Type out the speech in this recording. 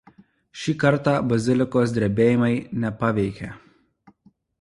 Šį kartą bazilikos drebėjimai nepaveikė.